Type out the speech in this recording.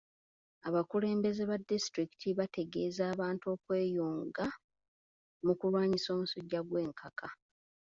Abakulembeze ba disitulikiti baategeeza abantu okweyunga mu kulwanyisa omusujja gw'enkaka.